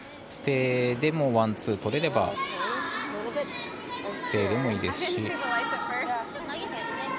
ステイでもワン、ツーがとれればステイでもいいですし。